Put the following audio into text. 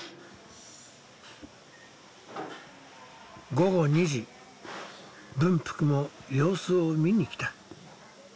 午後２時文福も様子を見に来た。